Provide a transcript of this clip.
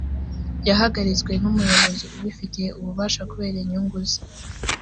yahagaritswe n’umuyobozi ubifitiye ububasha kubera inyungu ze